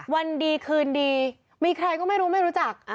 วันดีคืนดีมีใครก็ไม่รู้ไม่รู้จัก